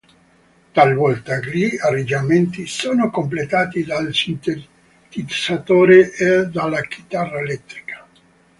Talvolta gli arrangiamenti sono completati dal sintetizzatore e dalla chitarra elettrica.